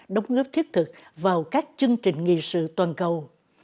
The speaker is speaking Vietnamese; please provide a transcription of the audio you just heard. đóng ngớp thiết thực vào các chương trình nghị sự toàn cầu